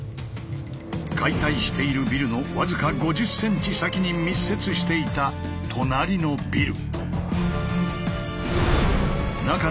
解体しているビルのわずか５０ｃｍ先に密接していた隣のビル。